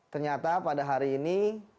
ternyata pada hari ini